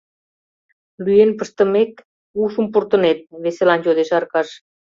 — Лӱен пыштымек, ушым пуртынет? — веселан йодеш Аркаш.